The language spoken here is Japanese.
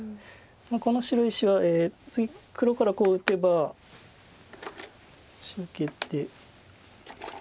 この白石は次黒からこう打てば受けて。